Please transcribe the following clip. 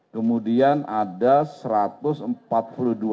kemudian ada satu ratus empat puluh dua titik pengungsian mandiri